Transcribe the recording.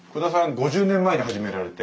５０年前に始められて。